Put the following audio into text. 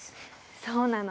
そうなの。